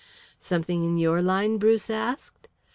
"Something in your line?" Bruce asked.